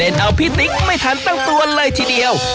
เอาพี่ติ๊กไม่ทันตั้งตัวเลยทีเดียว